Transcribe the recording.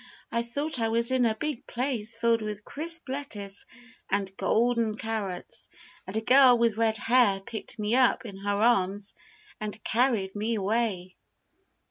I thought I was in a big place filled with crisp lettuce and golden carrots, and a girl with red hair picked me up in her arms and carried me away."